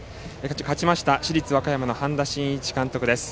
勝ちました市立和歌山の半田真一監督です。